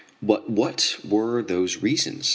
But what were those reasons?